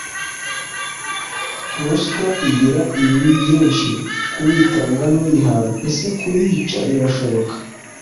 Ruswa igira ibibi byinshi k’uyitanga n’uyihabwa. Ese kuyica birashoboka?